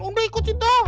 udah ikut situ